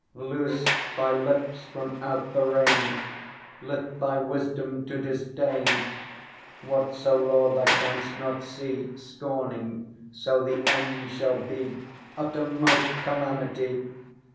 _ Loose thy lips from out the rein; Lift thy wisdom to disdain; Whatso law thou canst not see, Scorning; so the end shall be Uttermost calamity!